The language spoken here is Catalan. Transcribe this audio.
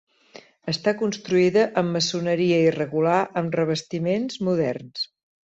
Està construïda amb maçoneria irregular amb revestiments moderns.